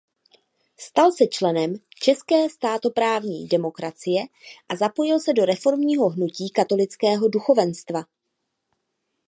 Stal se členem České státoprávní demokracie a zapojil se do reformního hnutí katolického duchovenstva.